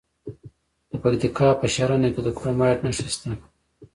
د پکتیکا په ښرنه کې د کرومایټ نښې شته.